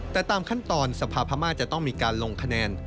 แต่ตามขั้นตอนสภาพม่าจะต้องมีการลงคะแนน